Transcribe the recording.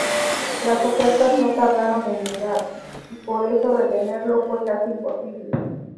Las ofertas no tardaron en llegar, y por eso retenerlo fue casi imposible.